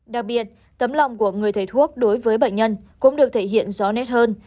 đặc biệt tấm lòng của người thầy thuốc đối với bệnh nhân cũng được thể hiện rõ nét hơn